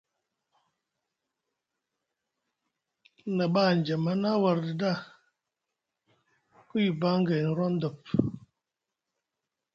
Na ɓa aŋjama a na warɗi ɗa, ku yibaŋ gayni rondop.